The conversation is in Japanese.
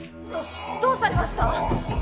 どうされました！？